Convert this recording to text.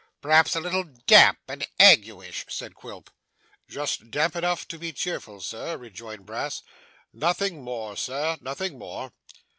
'Perhaps a little damp and ague ish?' said Quilp. 'Just damp enough to be cheerful, sir,' rejoined Brass. 'Nothing more, sir, nothing more.